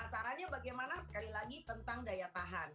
caranya bagaimana sekali lagi tentang daya tahan